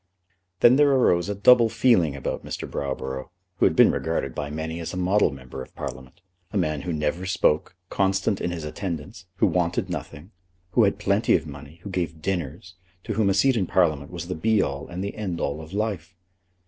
Then there arose a double feeling about Mr. Browborough, who had been regarded by many as a model member of Parliament, a man who never spoke, constant in his attendance, who wanted nothing, who had plenty of money, who gave dinners, to whom a seat in Parliament was the be all and the end all of life.